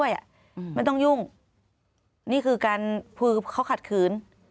ไม่ต้องยุ่งนี่คือการคือเขาขัดขืน